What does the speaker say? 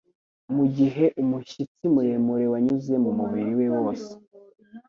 mugihe umushyitsi muremure wanyuze mumubiri we wose